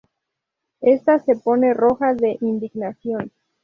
Ésta se pone roja de indignación.